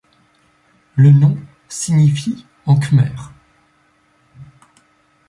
Le nom signifie en khmer.